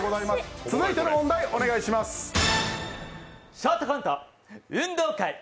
ショートコント運動会。